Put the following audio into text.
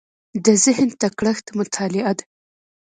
د ذهن تکړښت مطالعه ده.